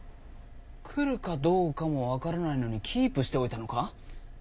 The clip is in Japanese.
来るかどうかもわからないのにキープしておいたのか？